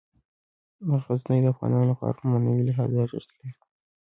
غزني د افغانانو لپاره په معنوي لحاظ ارزښت لري.